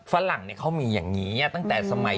ฝรั่งเขามีอย่างนี้ตั้งแต่สมัย